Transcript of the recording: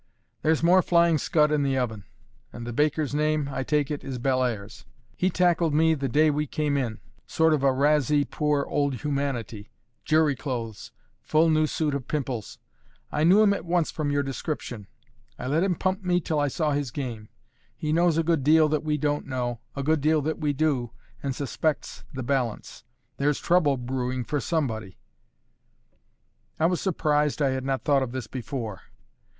"There's more Flying Scud in the oven; and the baker's name, I take it, is Bellairs. He tackled me the day we came in: sort of a razee of poor old humanity jury clothes full new suit of pimples: knew him at once from your description. I let him pump me till I saw his game. He knows a good deal that we don't know, a good deal that we do, and suspects the balance. There's trouble brewing for somebody." I was surprised I had not thought of this before.